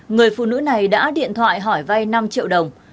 người phụ nữ này đã điện thoại hỏi vay năm triệu đồng